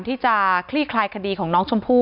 ที่มีข่าวเรื่องน้องหายตัว